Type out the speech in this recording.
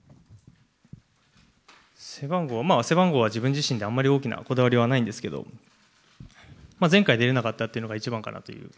背番号、背番号は自分自身であんまり大きなこだわりはないんですけど、前回出れなかったというのが一番かなという。